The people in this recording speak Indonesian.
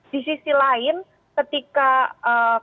di sisi lain ketika